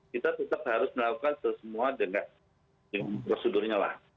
kita tetap harus melakukan semua dengan prosedurnya lah